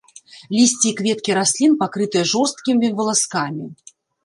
Лісце і кветкі раслін пакрытыя жорсткім валаскамі.